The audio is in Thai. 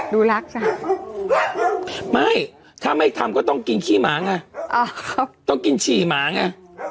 ดูรักจ้ะไม่ถ้าไม่ทำก็ต้องกินขี้หมาไงต้องกินฉี่หมาไง